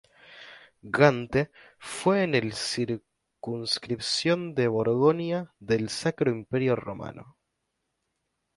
Gante fue en el Circunscripción de Borgoña del Sacro Imperio Romano.